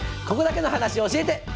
「ここだけの話」教えて！